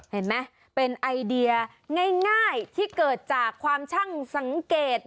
เห็นไหมเป็นไอเดียง่ายที่เกิดจากความช่างสังเกต